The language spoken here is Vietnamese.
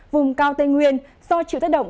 vùng cao tây nguyên do chịu thất động